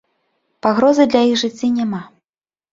Пагрозы для іх жыцця няма.